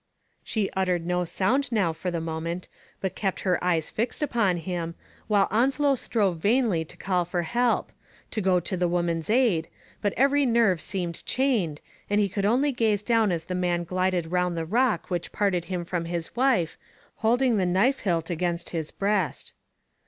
She uttered no sound now for the moment, but kept her eyes fixed upon him, while Onslow strove vainly to call for help — to go to the wom an's aid, but every nerve seemed chained, and he could only gaze down as the man glided round the rock which parted him from his wife, holding the knife hilt against his breast.